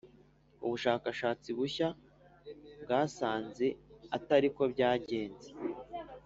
ubushakashatsi bushya bwasanze atari ko byagenze,